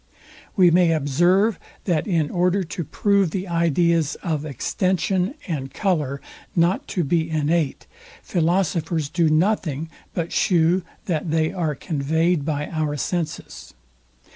We may observe, that in order to prove the ideas of extension and colour not to be innate, philosophers do nothing but shew that they are conveyed by our senses.